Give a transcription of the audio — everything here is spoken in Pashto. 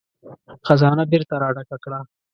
خزانه بېرته را ډکه کړه.